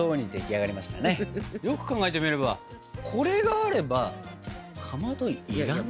よく考えてみればこれがあればかまど要らない？